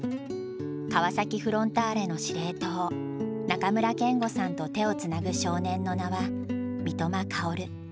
川崎フロンターレの司令塔中村憲剛さんと手をつなぐ少年の名は三笘薫。